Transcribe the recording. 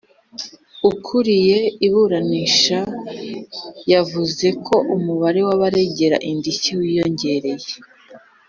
Ukuriye iburanisha yavuze ko umubare w’abaregera indishyi wiyongereye